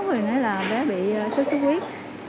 rồi nói là bé bị sốt khuyết